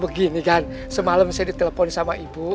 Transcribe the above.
begini kan semalam saya ditelepon sama ibu